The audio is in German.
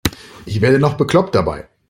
Ich werde noch bekloppt dabei.